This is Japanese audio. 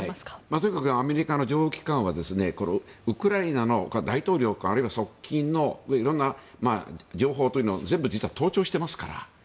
とにかくアメリカの情報機関はウクライナの大統領やあるいは側近の色んな情報というのを全部盗聴していますから。